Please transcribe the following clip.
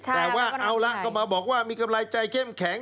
แต่ว่าเอาละก็มาบอกว่ามีกำลังใจเข้มแข็ง